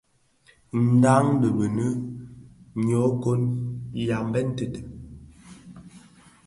Ndhañ di Benèn, nyokon, yambette.